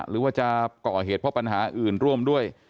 หรือว่าจะก่อเหตุเพราะปัญหาอื่นร่วมด้วย